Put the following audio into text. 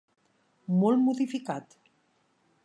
Molt modificat.